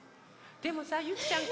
でもさゆきちゃん